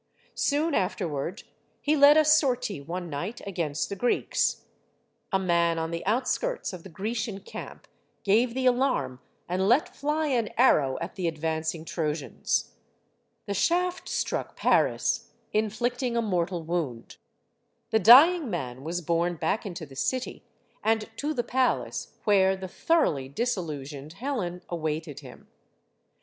Soon after ward, he led a sortie one night against the Greeks. A man on the outskirts of the Grecian camp gave the alarm and let fly an arrow at the advancing Trojans. The shaft struck Paris, inflicting a mortal wound. The dying man was borne back into the city, and to the palace where the thoroughly disillusioned Helen awaited him.